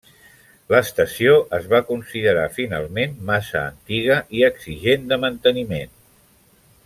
L'estació es va considerar finalment massa antiga i exigent de manteniment.